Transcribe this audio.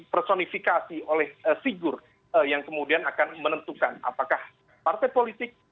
personifikasi oleh figur yang kemudian akan menentukan apakah partai politik